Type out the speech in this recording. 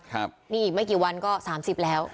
ครับนี่ไว้กี่วันก็๓๐แล้ว